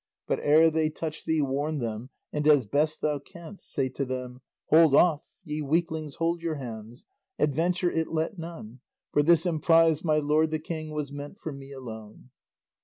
But ere they touch thee warn them, and, as best thou canst, say to them: Hold off! ye weaklings; hold your hands! Adventure it let none, For this emprise, my lord the king, Was meant for me alone.